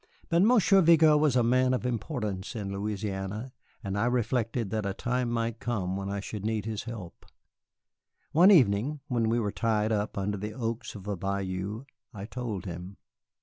But Monsieur Vigo was a man of importance in Louisiana, and I reflected that a time might come when I should need his help. One evening, when we were tied up under the oaks of a bayou, I told him.